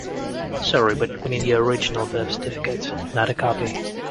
Sorry, but we need your original birth certificate, not a copy.